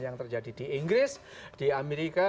yang terjadi di inggris di amerika